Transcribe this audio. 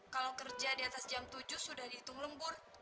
kalau kerja diatas jam tujuh sudah dihitung lembur